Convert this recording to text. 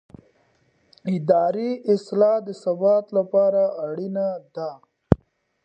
اداري اصلاح د ثبات لپاره اړینه ده